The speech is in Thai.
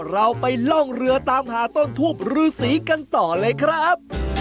เราไปล่องเรือตามหาต้นทูบรูสีกันต่อเลยครับ